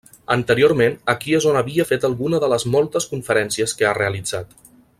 Anteriorment aquí és on havia fet alguna de les moltes conferències que ha realitzat.